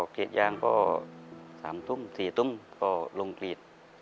กรีดยางก็๓ทุ่ม๔ทุ่มก็ลงกรีด